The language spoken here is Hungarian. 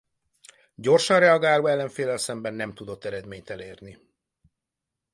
Gyorsan reagáló ellenféllel szemben nem tudott eredményt elérni.